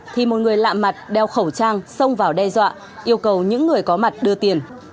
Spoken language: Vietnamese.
thì một người lạ mặt đeo khẩu trang xông vào đe dọa yêu cầu những người có mặt đưa tiền